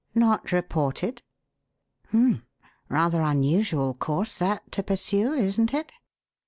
"Not reported H'm! rather unusual course, that, to pursue, isn't it?